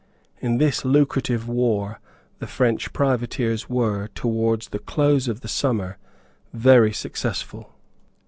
In this lucrative war the French privateers were, towards the close of the summer, very successful.